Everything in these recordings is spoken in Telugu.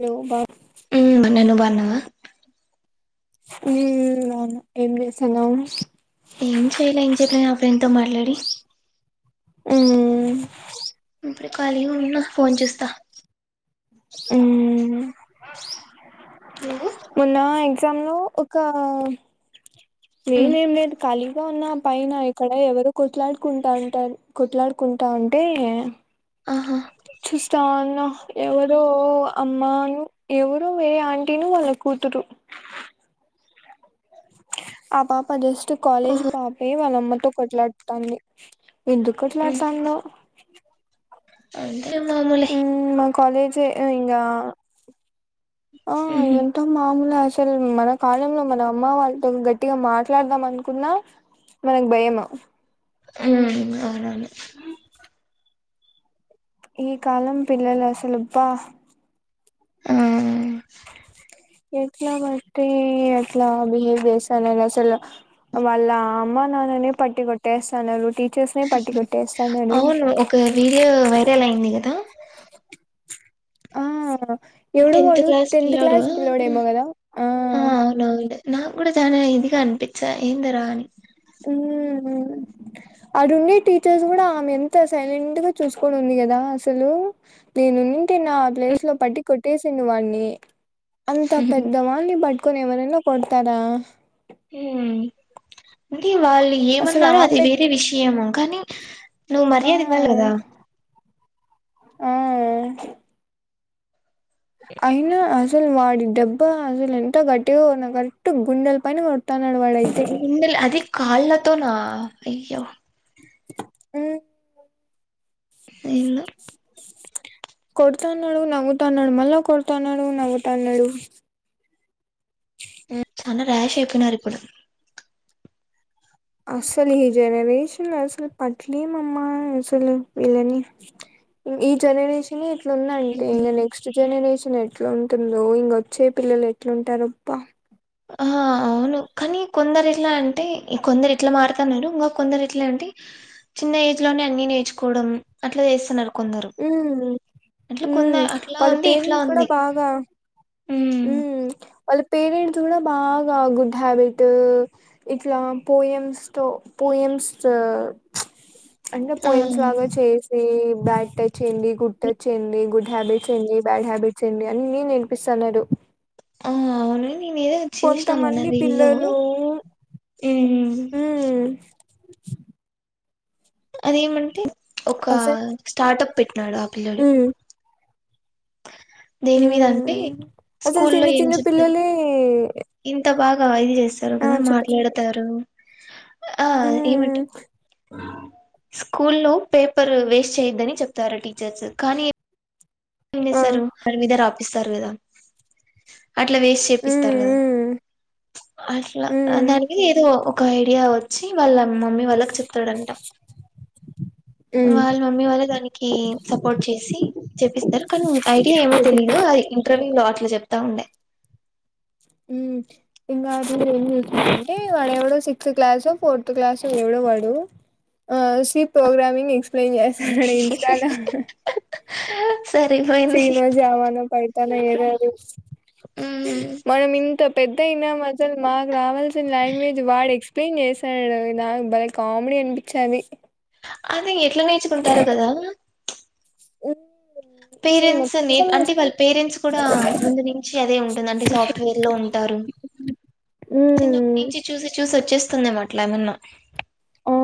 హలో బా ఉ మ నను బాన్నావా హ్మ్ ఏం చేస్తున్నావ్ ఏం చెయలే ఏం చెప్పలే ఆ ఫ్రెండ్ తో మాట్లాడి హ్మ్ అప్పుడు ఖళీ ఉన్నా ఫోన్ చేస్తా ఆ నువ్వు ఉన్నాయి సంలో ఒక ఉమ్ నేనేం లేదు ఖాళీగా ఉన్నా పైన ఇక్కడ ఎవరు కొట్లాడుకుంటా ఉంటారు కొట్లాడుకుంటా ఉంటే ఆహా చూస్తా ఉన్న ఎవరో అమ్మను ఎవరో వేరే ఆంటీను వాళ్ళ కూతురు ఆ పాప చుస్ కాలేజ్ ఓహో పాపే వాళ్ళమ్మకి అంటే కొట్లాడటాన్ని ఎందుకు కొట్లాడుతాందో అంత మామూలే కాలేజ్ ఇంగా ఆ ఉహు ఇవంత మామూలే అస్ అసలు మన కాలంలో మన అమ్మ వాళ్ళతో గట్టిగా మాట్లాడదాం అనుకున్నా మనకు భయం అ అవునవును ఈ కాలం పిల్లలు అసలు అబ్బా ఆ ఎట్లా బట్టి ఎట్లా బిహేవ్ చేస్తాన్నారు అసలు వాళ్ళ అమ్మ నాన్ననే పట్టి కొట్టేస్తాన్నారు టీ అవును ఒక వీడియో వైరల్ అయింది కదా ఆ ఎవడు టెన్త్ వాడు క్లాస్ టెన్త్ పిల్లోడు క్లాస్ పిల్లడు ఏమో కదా ఆ అవునవును నాకు కూడా చాలా ఇదిగా అనిపించా ఏంది రా అని అడ ఉండే టీచర్స్ కూడా ఆమె ఎంత సైలెంట్ గా చూసుకోని ఉంది కదా అసలు నేను వున్నింటే నా ఆ ప్లేస్ లో పట్టి కొట్టేసి ఉండేదాన్ని అంత పెద్దవాళ్ళనీ బట్ కొని ఎవరన్న కొడతారా మ్మ్ ఉమ్ అంటే వాళ్ళు అసలు ఏమన్నారో ఆ అది పెద్ వేరే విషయము కానీ నువ్వు ఆ మర్యాద ఇవ్వాల్ల కదా ఆ అయినా అసలు వాడు దెబ్బా అసలు ఎంతో గట్టిగా ఉన్న కరెక్ట్ గుండెల పైన తన్నాడు వాడైయితే కాళ్ళ తోనా అయ్యో మ్మ్ ఎందొ కొడతాన్నాడు నగుతాన్నాడు మళ్ళా కొడుతాన్నాడు నగతాన్నాడు చాలా ర్యాష్ అయిపోయినారు ఇప్పుడు అసలు ఈ జనరేషన్ అసలు పట్లే మామ్మ అసలు వీళ్ళని ఈ జనరేషన్ ఏ ఇంకా నెక్స్ట్ జనరేషన్ ఎట్లాంటుందో ఇంకొచ్చే పిల్లలు ఎట్లుంటారబ్బ ఆహ అవును కానీ కొందరు ఇట్లా అంటే కొందరు ఇట్లా మారుతున్నారు ఇంకా కొందరు ఎట్లా అంటే చిన్న ఏజ్ లోనే అన్ని నేర్చుకోవడం అట్లా చేస్తున్నారు కొందరు ఉ అట్లా కొంద మ్మ్ అట్లా వాళ్ళ ఉంది ఇట్లా పేరెంట్స్ కూడా ఉంది బాగా ఉమ్, మ్మ్ వాళ్ల పె పేరెంట్స్ కూడా బాగా గుడ్ హ్యాబిట్ ఇట్లా పోయమ్స్ తో పోయమ్స్ ఆ పే అంటే ఆ పోయిమ్స్ లాగా చేపీస్ యే బ్యాడ్ టచ్ ఏంది గుడ్ టచ్ ఏంది గుడ్ హ్యాబిట్స్ ఏంది బ్యాడ్ హ్యాబిట్స్ ఏంది అన్ని నేర్పిస్తున్నారు. ఆ అవును నేను ఏదో చూసినా మొన్న కొంతమంది రీల్ లో పిల్లలు ఉం అదేమంటే ఒక అసలు స్టార్ట్ దాడ ఆపిల్లోడి ఉమ్ దేని మీద అంటే ఉమ్ అసలు స్కూల్లో చిన్న ఏం చిన్న చెప్తారు పిల్లలే ఇంత బాగా ఐల్ చేస్ చేస్తారు ఆ కదా చెప్పచ్చు మాట్లాడతారు ఉం ఆ ఏమంట ఉమ్ స్కూల్లో పేపర్ వేస్ట్ చేయ్యొద్దని చెప్తార టీచర్స్ కానీ ఎం ఆ చెస్తరు హర విధర్ ఇస్తారు కదా అట్లా వేస్ట్ చేపిస్తారు ఉమ్ కదా ఉమ్ అట్లా ఉమ్ దానికి ఏదో ఒక ఐడియా వచ్చి వాళ్ళ మా మమ్మీ వాళ్ళకి చెప్తాడంట ఉమ్ వాళ్ళ మమ్మీ వాళ్ళ దానికి సపోర్ట్ చేసి చేపిస్తారు కానీ ఐడియా ఏమో చెప్పింది తెలీదు అది ఇంటర్వ్యూ లో అలు చెప్తా ఉండే ఉం ఇంకా మీరు ఏం చూసారంటే వాడ ఎవడో సిక్స్త్ క్లాసు ఫోర్త్ క్లాస్ ఎవడో వాడు ఆ సి ప్రోగ్రామింగ్ ఎస్ ఏం చేస్తాడు ఇన్స్టాల సరిపోయింది చీన జవాన పడతే తన వేర్ ఆర్ యూ ఉమ్ మనం ఇంత పెద్ద అయినాం అసలు మాకు రావాల్సిన లాంగ్వేజ్ వాడు ఎక్స్ప్లెయిన్ చేశాడు నాకు బలే కామెడీ అనిపించిది. అ ఎట్ల నేర్చుకుంటారు కదా ఉ పేరెంట్స్ అని అంటే వాళ్ళ పేరెంట్స్ కూడా ముందు నుంచి అదే ఉంటుంది అంటే సాఫ్ట్వేర్ లో ఉంటారు చిన్నప్పటి హ్మ్ నుంచి చూసి చూసి వచ్చేస్ వస్తుంద మాట్లా ఏమన్నా ఆ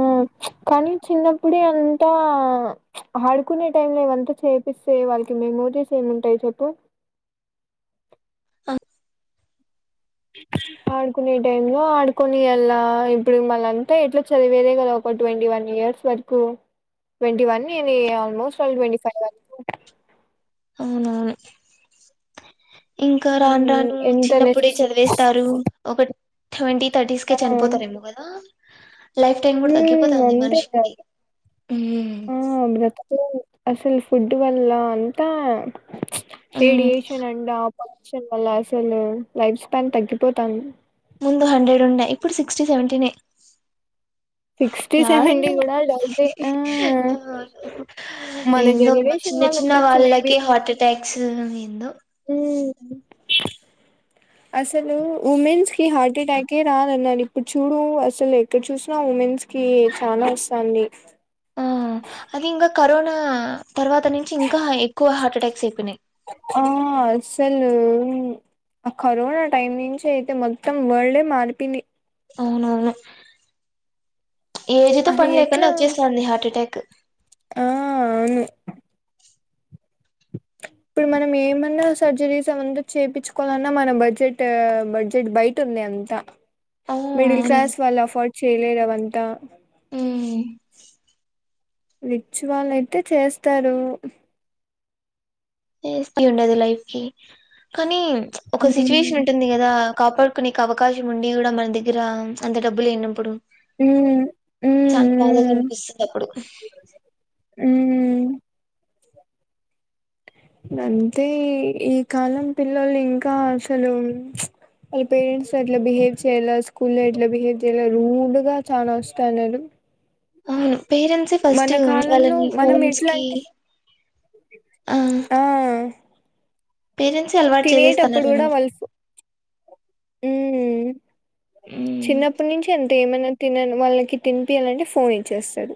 కానీ చిన్నప్పుడే అంతా ఆడుకునే టైంలా ఇవంతా చేపిస్తే వాళ్ళకి మెమోరీస్ ఏమింటాయి చెప్పు ఆడుకునే టైంలో ఆడుకొనియల్లా ఇప్పుడు మళ్ళ అంతా ఎట్లా చదివేదే కదా ఒక ట్వంటీ వన్ ఇయర్స్ వరకు ట్వంటీ వన్ నే ఆల్మోస్ట్ళ ట్వంటీ ఫైవ్ వరకు అవునా ఇంకా రాను హ్మ్ రాను ఎంత నెస్ చిన్నప్పుడే చదివేస్తారు ఒక ట్వంటీ థర్టీస్ కే ఆ చనిపోతారేమో కదా లైఫ్ టైమ్ కూడా హ్మ్ తగ్గిపోతాంది అంతే ఇగ మనిషికి ఊమ్ ఆ బ్రతుకు అసలు ఫుడ్ వల్ల అంతా హే ఉమ్ ఏడిషన్ అంటా వచ్చన్ వల్ల అసలు లైఫ్ స్పెన్ తగ్గిపోతాన్ ముందు హండ్రెడ్ ఉండే ఇప్పుడు సిక్స్టీ సెవెంటీనే సిక్స్టీ సెవెంటికీ యాడుందండి కూడా డౌట్ ఏ ఆ మన ఏందో జనరేషన్ చిన్న వాళ్ళు చిన్న ఉండొచ్చు మేబీ. వాళ్ళకి హార్ట్ అటాక్స్ ఏందో హ్మ్. అసలు ఉమెన్స్ కి హార్ట్ అటాకే రాదన్నారు. ఇప్పుడు చూడు అసలు ఎక్కడ చూసినా ఉమెన్స్ కి చాలా వస్తాంది. ఆ అది ఇంగా కరోనా తర్వాత నుంచి ఇంకా ఎక్కువ హార్ట్ అటాక్స్ అయిపోయినాయి. ఊం ఉ ఆ కరోనా టైం నుంచి అయితే మొత్తం వరల్డే మారిపింది అవునవును ఏజ్ తో అది పని లేకుండా ఎట్లా వచ్చేస్తాంది హార్ట్ అటాక్ ఆ అవును ఇప్పుడు మనం ఏమన్నా సర్జరీస్ అవంత చేపిచ్చుకోవాలన్నా మన బడ్జెట్ బడ్జెట్ బయట ఉంది అంతా ఆ మిడిల్ అవును క్లాస్ వాళ్ళు అఫర్డ్ చేయలేదు అవన్ అంత ఆ రిచ్ వాళ్ళ అయితే చేస్తారు ఏస్ ఉండది లైఫ్కి కానీ ఒక సిచ్యువేషన్ మ్మ్. ఉంటుంది కదా కాపాడు కొనికు అవకాశం ఉండి కూడా మన దగ్గర అంత డబ్బులు లేనప్పుడు మ్మ్. చాల బాలెద్ మ్మ్. కనిపిస్తద అప్పుడు ఊమ్ గ అంతే ఈ కాలం పిల్లలు ఇంకా అసలు వాళ్ళ పేరెంట్స్ ఎట్లా బిహేవ్ చేయాల, స్కూల్లో ఎట్లా బిహేవ్ చేయాల, రూడ్గా చాలా వస్తాన్నారు. అవును పేరెంట్సే ఫస్ట్ కాలంలో వాళ్ళని మనం ఫోన్స్ ఎట్లా కి అంటే ఆ పేరెంట్స్ అలవాటు చేసేస్తన్నారేమో ఉమ్ చిన్నప్పటి నుంచి అన్ ఏమన్నా తిన వాళ్ళకి తిపియ్యాలంటే ఫోన్ ఇచ్చేస్తారు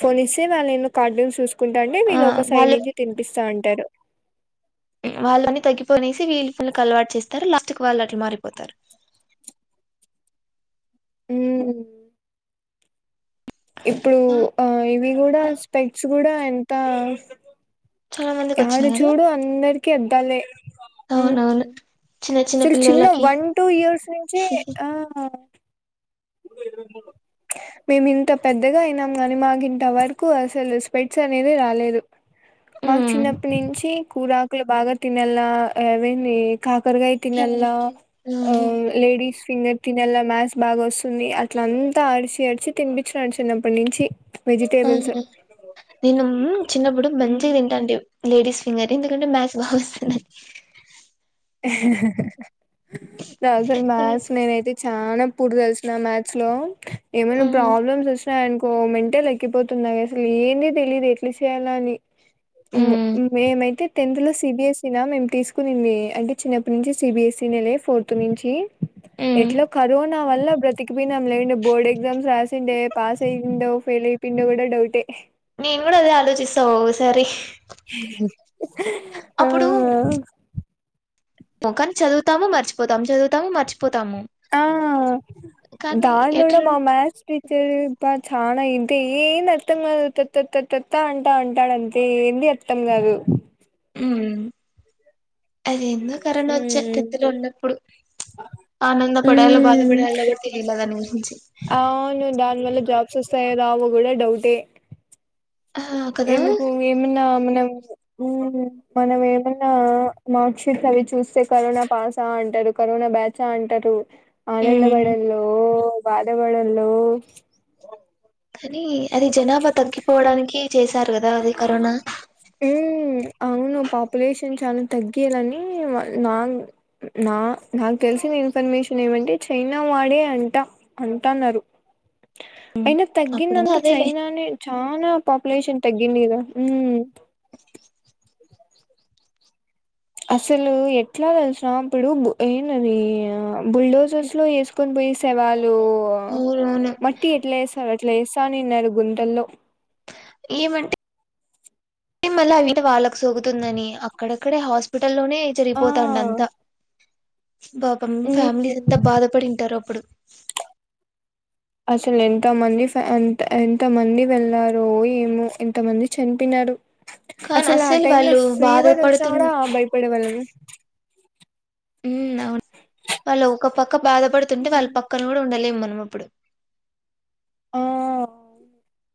ఫోన్ ఇస్తే వాళ్ళ ఏమో కార్డూన్స్ చూసు కుంటా అంటే ఆ వీళ్ళు ఒక సై వాళ్ళు నుంచి తిపిస్తా ఉంటారు వాళ్ళన్నీ తగ్గిపోనేసి వీళ పల్లు అలవాటు చేస్తారు లాస్ట్కి వాళ్ళు అట్లు మారిపోతారు అ ఇప్పుడు ఆ ఇవి కూడా స్పెక్స్ కూడా ఎంత చాలా మందికి యాడ వచ్చినాయి కదా చూడు అందరికి అద్దాలే అవునవును చిన్న అసలు చిన్న పిల్లలకి వన్ టూ ఇయర్స్ నుంచి ఆ మేమి ఇంత పెద్దగా అయినాం కాని మాకు ఇంత వరకు అసలు స్పెక్ట్స్ అనేది రాలేదు మాకు ఉమ్. చిన్నప్పటి నుంచి కూర క్లు బాగా తిినెలా అవేని కాకర్గాయ తిినలా క్యారెట్ ఉమ్. లేడీస్ ఫింగర్ ినలా మాస్ బాగా వస్తు ంది అట్ల అంతా ఆడిచి ఆడిచి తినిపించినాడు చిన్నప్పటి నుంచి ఆ వెజిటేబుల్స్ నేను చిన్నప్పుడు మంచిగా తింటాంటి లేడీస్ ఫింగర్ ఎందుకంటే మ్యాచ్ బాగా వస్తుంది అని నాకు అస్సల్ మ్యాథ్స్ నేను అయితే చానా పూర్ తెలుసునా మ్యాథ్స్ లో ఏమైనా మ్మ్. ప్రాబ్లమ్స్ వచ్చినాయి అనుకో మెంటల్ ఎక్కి పోతుంది నాకు అసలు ఏంది తెలియదు ఎట్లా చేయాలా అని మ్మ్. మేమైతే టెన్త్ లో సిబిఎస్ఈ నా మేము తీసుకునింది అంటే చిన్నప్పటి నుంచి సిబిఎస్ఈ నె లే ఫోర్త్ నుంచి మ్మ్. ఎట్లా కరోనా వల్ల బ్రతిపోయినాం లేండే బోర్డ్ ఎగ్జామ్స్ రాసిండే పాస్ అయిందో ఫెయిల్ అయిపోయిండో కూడా డౌటే నేను కూడా అదే ఆలోచిస్తా ఓసారి అప్పుడు ఆ కా చదువుాము మర్చిపోతాం చదువుతాము మర్చిపో ఆ కానీ దాంలోూలో ఎట్లా మా మథస్ టీచర్ అప్ప చాల ఇంతే ఏం అర్థం కాదుత్తత్తా అంటా అంటాడు అంతే ఏంది అర్థం కాదు హ అది ఎన్నో కరోనా వచ్చా టెన్త్ లో ఉన్నప్పుడు ఆనందపడాలో ఉమ్ బాధపడలో కూడా తెలియాల దాని గురించి సస్తాయారు ఆవ కూడా డౌటే ఆ కదా ఎందుకు ఏమన్నా మన మనం ఏమన్నా మార్క్ షీట్స్ అవి చూస్తే కరోనా పాస్ అ అంటారు కరోనా బ్యాచ్ ఆ అంటారు ఆనంద మ్మ్. పడల్లో బాద పడల్లో కానీ అది జనాభా తగ్గిపోవడానికి చేశారు కదా అది కరోనా హ్మ్ అవును పాపులేషన్ చాలా తగ్గాలని నా నా నాకు తెలిసిన ఇన్ఫర్మేషన్ ఏమంటే చైనా వాడే అంట అంటన్నారు అయినా అప్పుడ తగ్గింది అంత అదేలే చైనానే చనాా పాపులేషన్. తగ్గింది కదా ఊ అసలు ఎట్లా తెలిసిన ఇప్పుడు ఏంలేదు ఆ బుల్డోసర్స్ లో వేసుకొని పోయి శవాలు. అవునవును అబ్బో మట్టి యెట్లేస్తారో చెప్ లేసానిన్నరు గుంతల్లో. ఏమంటే? మ [unintelligible] మళ్ళా అవి వాళ్ళకు సోగుతుందని అక్కడక్కడే హాస్పిటల్ బట్టల్లోనే ఆ జరిగిపోతాండ అంతా. పాపమ్ ఫ్యామిలీస్ అంతా హ్మ్ బాధపడింటారు అప్పుడు. అసలు ఎంతమంది ఎంత ఎంత మంది వెళ్ళార ఏమో ఎంతమంది చనిపోయినారు. కానీ అసలు ఆ అస్సలు టైమ్ లో వాళ్ళు ఫీవర్ వచ్చినా బాధపడుతు కూడా భయపడే వాళ్ళము. ఉ అవును వాళ్ళు ఒక పక్క బాధపడుతుంటే వాళ్ళ పక్కన కూడా ఉండలేము మనం అప్పుడు. అ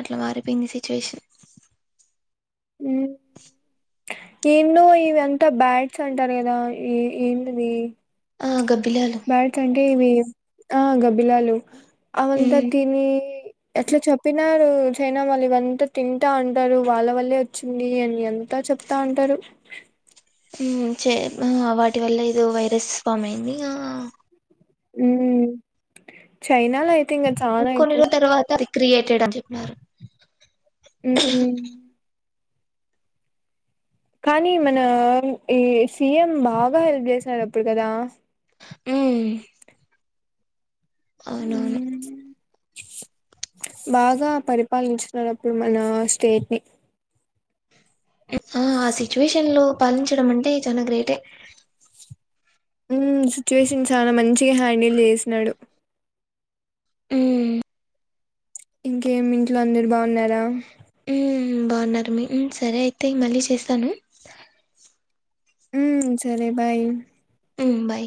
అట్లా మారిపోయింది సిచ్యువేషన్. హ్మ్ ఏందో ఇదంతా బ్యాట్స్ అంటారు కదా ఏ ఏ ఏందది? ఆగ బ్యాడ్స్ అంటే హ్మ్ ఆ గబ్బిలాలు. ఉమ్ అవంతాతిని ఎట్లా చెప్పినారు? చైనా వాళ్ళ ఇవంతా తింటా ఉంటారు వాళ్ళ వల్లే వచ్చింది అని అంతా చెప్తా ఉంటారు. హ్మ్ చే వాటి వల్ల ఏదో వైరస్ ఫామ్ అయింది ఆ.. హ్మ్ చైనాలో ఎప్ కొన్ని రోజుల తర్వాత, క్రియేటెడ్ అని చెప్పినారు. హ్మ్ హు కానీ మన ఈ సీఎం బాగా హెల్ప్ చేసినారు అప్పుడు కదా? హ్మ్ హ్మ్ బాగా పరిపాలించిన అప్పుడు మన స్టేట్ ని. ఆ ఆ సిచ్యువేషన్ లో పాలించడం అంటే చాల గ్రేటే. హ్మ్ సిచ్యువేషన్ చాలా మంచి ఈ హ్యాండిల్ చేసినాడు. హ్మ్ ఇంకేం ఇంట్లో అందరు బావున్నారా? హ్మ్ బాగున్నారు. మీరు సరే అయితే మళ్ళీ చేస్తాను. హ్మ్ సరే బాయ్. ఉమ్ బాయ్